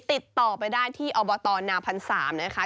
ติดต่อไปได้ที่อบตนาพันธ์๓นะคะ